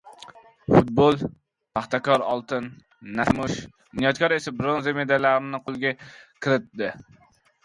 Futbol. “Paxtakor” oltin, “Nasaf” kumush, “Bunyodkor” esa bronza medallarni qo‘lga kiritdi